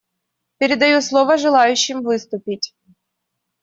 Передаю слово желающим выступить.